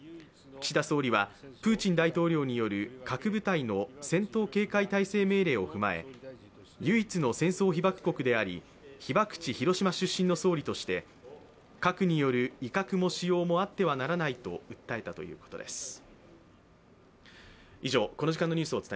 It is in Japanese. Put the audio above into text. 岸田総理はプーチン大統領による核部隊の戦闘警戒態勢命令を踏まえ唯一の戦争被爆国であり、被爆国・広島出身の総理として核による威嚇も使用もあってはならないと訴えたということです。